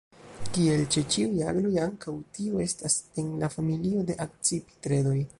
Kiel ĉe ĉiuj agloj, ankaŭ tiu estas en la familio de Akcipitredoj.